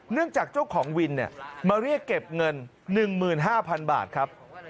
จากเจ้าของวินมาเรียกเก็บเงิน๑๕๐๐๐บาทครับ